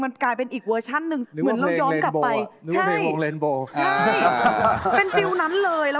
กีดกันด้วยเวลาฉันงักดีที่ชอบสินค้า